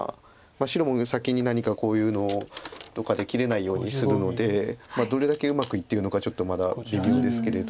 白も先に何かこういうのとかで切れないようにするのでどれだけうまくいってるのかちょっとまだ微妙ですけれど。